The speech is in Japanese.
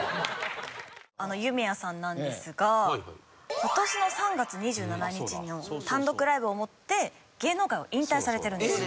あの夢屋さんなんですが今年の３月２７日の単独ライブをもって芸能界を引退されてるんです。